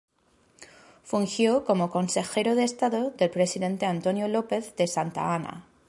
Fungió como Consejero de Estado del presidente Antonio López de Santa Anna.